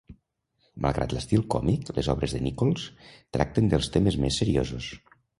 Malgrat l'estil còmic, les obres de Nichols tracten dels temes més seriosos.